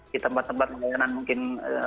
di tempat tempat layanan mungkin